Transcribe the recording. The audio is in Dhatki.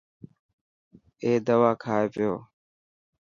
اي دوا کائي پيو.